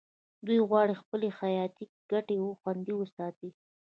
دوی غواړي خپلې حیاتي ګټې خوندي وساتي